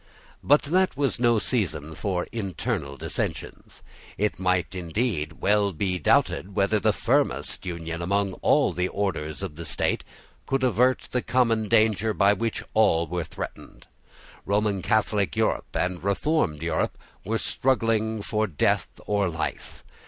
But that was no season for internal dissensions. It might, indeed, well be doubted whether the firmest union among all the orders of the state could avert the common danger by which all were threatened. Roman Catholic Europe and reformed Europe were struggling for death or life.